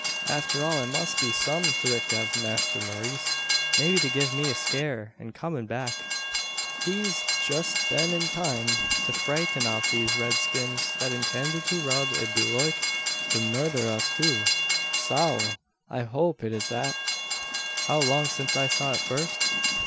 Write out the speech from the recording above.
"Afther all, it must be some thrick av Masther Maurice. Maybe to give me a scare; an comin' back he's jist been in time to frighten off these ridskins that intinded to rub an beloike to murther us too. Sowl! I hope it is that. How long since I saw it first?